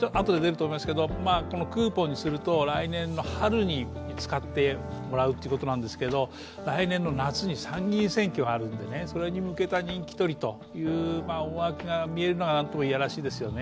クーポンにすると来年の春に使ってもらうということですが来年の夏に参議院選挙があるのでそれに向けた人気取りという思惑が見えるのが何とも嫌らしいですよね。